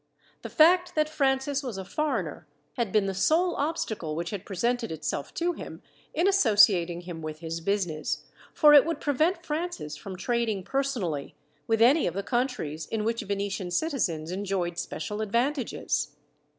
The fact that Francis was a foreigner had been the sole obstacle which had presented itself to him, in associating him with his business, for it would prevent Francis from trading personally with any of the countries in which Venetian citizens enjoyed special advantages.